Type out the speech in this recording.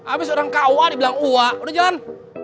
abis orang kua dibilang ua udah jalan